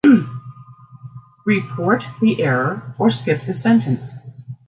Report the error or skip the sentence.